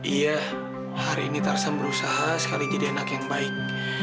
iya hari ini tarsam berusaha sekali jadi anak yang baik